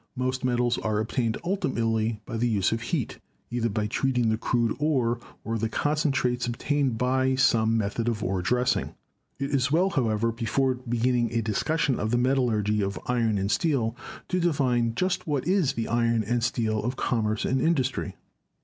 Most metals are obtained ultimately by the use of heat, either by treating the crude ore or the concentrates obtained by some method of ore dressing. It is well, however, before beginning a discussion of the metallurgy of iron and steel to define just what is the iron and steel of commerce and industry.